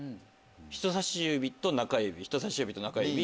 人さし指と中指人さし指と中指。